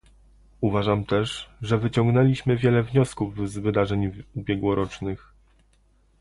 Uważam też, że wyciągnęliśmy wiele wniosków z wydarzeń ubiegłorocznych